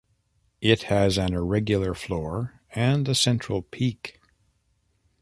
It has an irregular floor and a central peak.